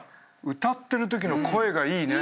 歌ってるときの声がいいね。